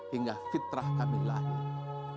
hingga fitrah kami lahir